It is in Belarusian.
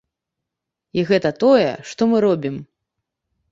І гэта тое, што мы робім.